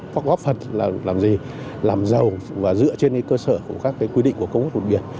công ước luật biển là làm gì làm giàu và dựa trên cơ sở của các quy định của công ước luật biển